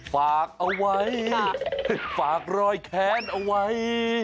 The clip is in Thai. ฝากเอาไว้ฝากรอยแค้นเอาไว้